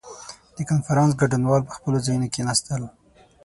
• د کنفرانس ګډونوال پر خپلو ځایونو کښېناستل.